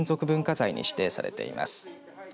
文化財に指定されています。